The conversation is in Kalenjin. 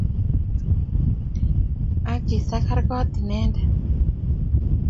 Ak kesagar kot Inendet.